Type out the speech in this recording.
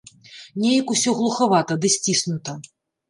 Неяк усё глухавата ды сціснута.